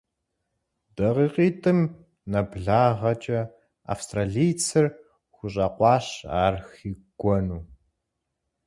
ДакъикъитӀым нэблагъэкӀэ австралийцыр хущӀэкъуащ ар хигуэну.